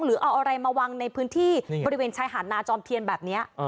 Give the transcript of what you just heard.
หรือเอาอะไรมาวางในพื้นที่บริเวณชายหาดนาจอมเทียนแบบนี้